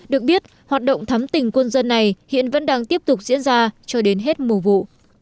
được biết hoạt động thắm tình quân dân này hiện vẫn đang tiếp tục diễn ra cho đến hết mùa vụ